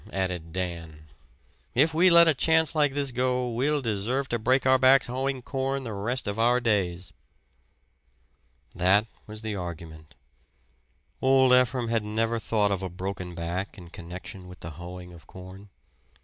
added Dan. "If we let a chance like this go we'll deserve to break our backs hoeing corn the rest of our days." That was the argument. Old Ephraim had never thought of a broken back in connection with the hoeing of corn.